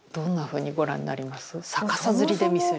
逆さ吊りで見せる。